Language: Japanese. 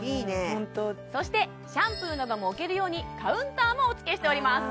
ホントそしてシャンプーなども置けるようにカウンターもおつけしております